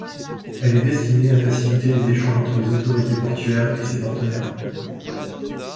Elle est destinée à faciliter les échanges entre les autorités portuaires et ses partenaires.